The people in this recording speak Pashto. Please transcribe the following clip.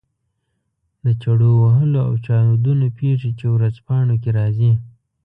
د چړو وهلو او چاودنو پېښې چې ورځپاڼو کې راځي.